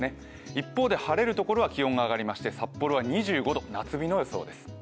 一方で晴れるところは気温が上がりまして札幌は２５度夏日の予想です。